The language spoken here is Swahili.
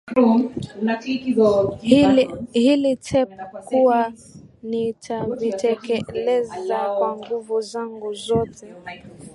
hili tape kuwa nitavitekeleza kwa nguvu zangu zote